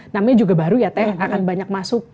namanya juga baru ya teh akan banyak masuk